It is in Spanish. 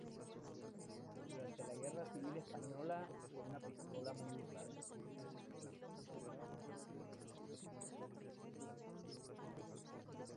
Durante la Guerra Civil Española fue una pistola muy usada.